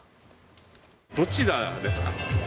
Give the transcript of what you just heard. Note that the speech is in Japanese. どちらですか？